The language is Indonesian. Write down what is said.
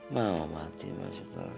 mau mati masuk neraka